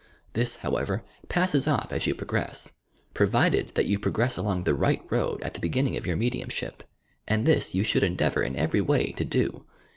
This, however, passes off as you progress,— provided that you progress along the right road at the beginning of your mediumship, and this you should endeavour in every way to do.